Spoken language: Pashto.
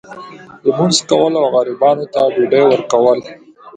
لمونځ کول او غریبانو ته ډوډۍ ورکول.